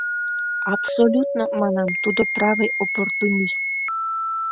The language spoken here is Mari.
Абсолютно, манам, тудо правый оппортунист.